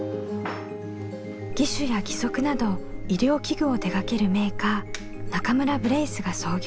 義手や義足など医療器具を手がけるメーカー中村ブレイスが創業。